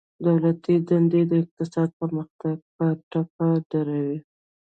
دولتي دندي د اقتصاد پرمختګ په ټپه دروي